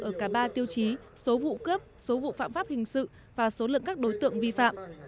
ở cả ba tiêu chí số vụ cướp số vụ phạm pháp hình sự và số lượng các đối tượng vi phạm